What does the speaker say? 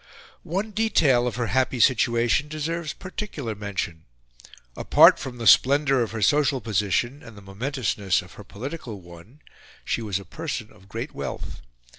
One detail of her happy situation deserves particular mention. Apart from the splendour of her social position and the momentousness of her political one, she was a person of great wealth.